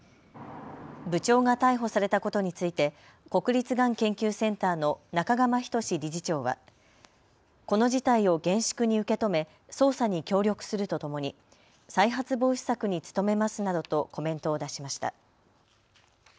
部長が逮捕されたことについて国立がん研究センターの中釜斉理事長はこの事態を厳粛に受け止め捜査に協力するとともに再発防止策に努めますなどとコメントを出しました。